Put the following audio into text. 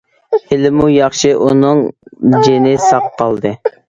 ھېلىمۇ ياخشى ئۇنىڭ جېنى ساق قالدى.